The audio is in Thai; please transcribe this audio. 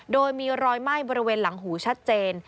โดยมีรอยไหม้บริเวณหลังหูชัดเจน